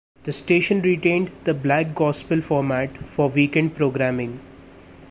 The station retained the Black gospel format for weekend programming.